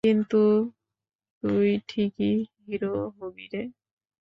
কিন্তু তুই ঠিকি হিরো হবিরে।